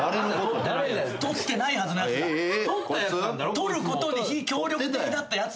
とることに非協力的だったやつが。